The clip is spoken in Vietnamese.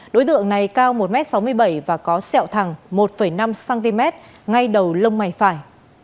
đối tượng này cao một m sáu mươi bảy và có sẹo thẳng một năm cm ngay đầu lông mày phải